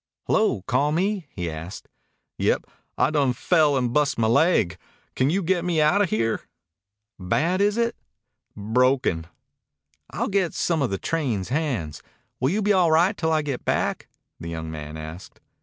"Hello! Call me?" he asked. "Yep. I done fell and bust my laig. Can you get me outa here?" "Bad, is it?" "Broken." "I'll get some of the train hands. Will you be all right till I get back?" the young man asked.